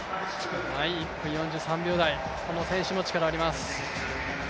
１分４３秒台、この選手も力があります。